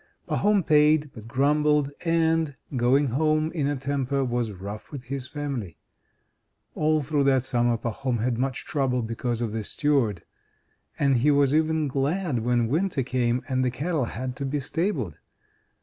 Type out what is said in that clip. Pahom paid, but grumbled, and, going home in a temper, was rough with his family. All through that summer Pahom had much trouble because of this steward; and he was even glad when winter came and the cattle had to be stabled.